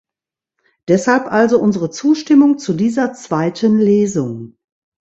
Deshalb also unsere Zustimmung zu dieser zweiten Lesung.